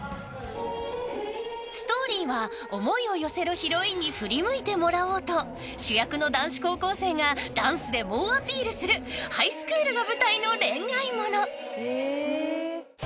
［ストーリーは思いを寄せるヒロインに振り向いてもらおうと主役の男子高校生がダンスで猛アピールするハイスクールが舞台の恋愛もの］